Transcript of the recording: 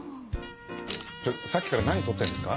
ちょっとさっきから何撮ってんですか？